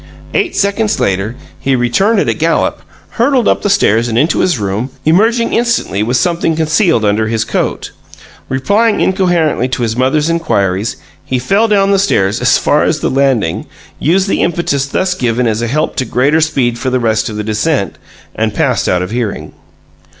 Eight seconds later he returned at a gallop, hurtled up the stairs and into his room, emerging instantly with something concealed under his coat. Replying incoherently to his mother's inquiries, he fell down the stairs as far as the landing, used the impetus thus given as a help to greater speed for the rest of the descent and passed out of hearing.